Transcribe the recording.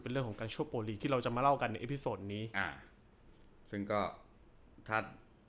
เป็นเรื่องของการช่วยโปรลีกที่เราจะมาเล่ากันในเอพิโซนนี้อ่าซึ่งก็ถ้า